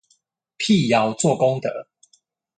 闢謠做功德